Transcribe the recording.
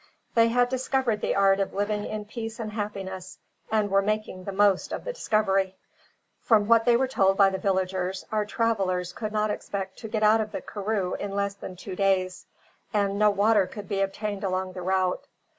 They had discovered the art of living in peace and happiness, and were making the most of the discovery. From what they were told by the villagers, our travellers could not expect to get out of the karroo in less than two days, and no water could be obtained along the route.